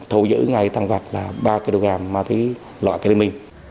thù giữ ngay tăng vạt là ba kg ma túy loại kê lê mi